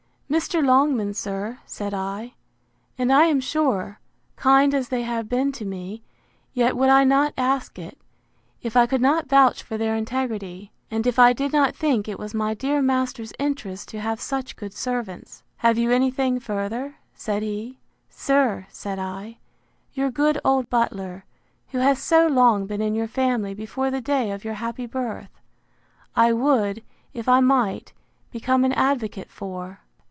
Mr. Longman, sir, said I; and I am sure, kind as they have been to me, yet would I not ask it, if I could not vouch for their integrity, and if I did not think it was my dear master's interest to have such good servants. Have you any thing further? said he.—Sir, said I, your good old butler, who has so long been in your family before the day of your happy birth, I would, if I might, become an advocate for!